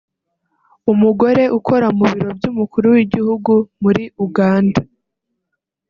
umugore ukora mu Biro by’Umukuru w’Igihugu muri Uganda